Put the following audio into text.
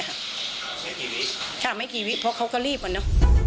ไม่กี่วิติครับใช่ไม่กี่วิติเพราะเขาก็รีบกว่าเนอะ